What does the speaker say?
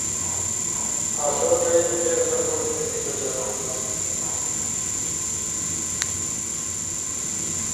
آسو تھئی ای میل خلقو تی نی پشارونا